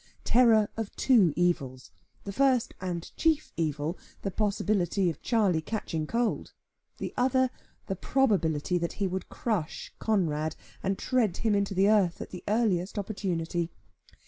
Terror of two evils; the first and chief evil, the possibility of Charley catching cold; the other, the probability that he would crush Conrad, and tread him into the earth, at the earliest opportunity.